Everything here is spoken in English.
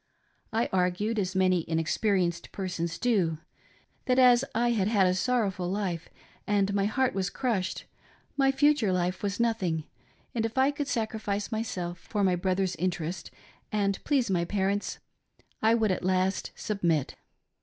I argued as many inexperienced persons do, that as I had had a sorrowful life and my heart was crushed, my future life was nothing, and if I could sacrifice myself for my brother's interest and please my parents, I would at last submit.